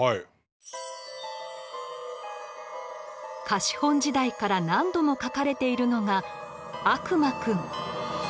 貸本時代から何度も描かれているのが「悪魔くん」。